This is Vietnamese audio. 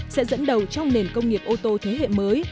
sẽ dẫn đầu trong nền công nghiệp ô tô thế hệ mới